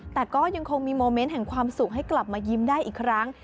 แต่ก็ยังคงมีโมเมนต์แห่งความสุขให้กลับมายิ้มได้อีกครั้ง